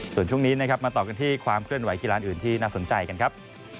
ส่วนช่วงนี้นะครับมาต่อกันที่ความเคลื่อนไหกีฬาอื่นที่น่าสนใจกันครับ